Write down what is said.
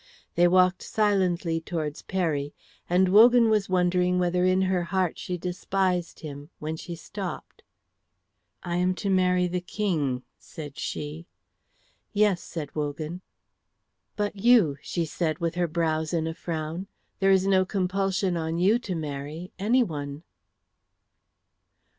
They walked silently towards Peri, and Wogan was wondering whether in her heart she despised him when she stopped. "I am to marry the King," said she. "Yes," said Wogan. "But you?" she said with her brows in a frown; "there is no compulsion on you to marry anyone."